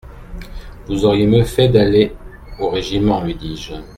Vous auriez mieux fait d'aller au régiment, lui dis-je.